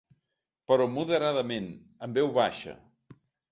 Però moderadament, en veu baixa.